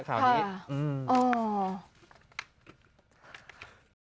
คราวนี้อืมอ๋อ